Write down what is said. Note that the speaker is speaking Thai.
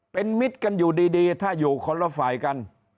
เป็นมิตรกันอยู่ดีถ้าอยู่คนละฝ่ายกัน